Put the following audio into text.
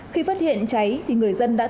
khi phát hiện cháy người dân đã thử